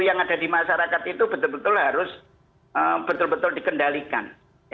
yang ada di masyarakat itu betul betul harus betul betul dikendalikan